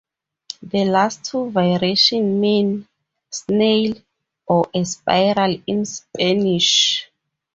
The last two variations mean "snail" or a "spiral" in Spanish.